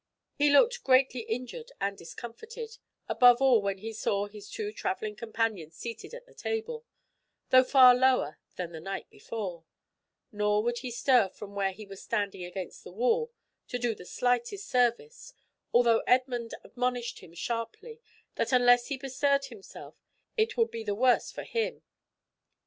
He looked greatly injured and discomfited, above all when he saw his two travelling companions seated at the table—though far lower than the night before; nor would he stir from where he was standing against the wall to do the slightest service, although Edmund admonished him sharply that unless he bestirred himself it would be the worse for him.